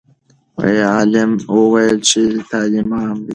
عالم وویل چې تعلیم عام دی.